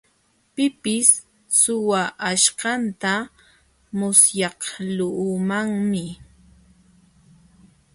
Pipis suwaaśhqanta musyaqluumanmi.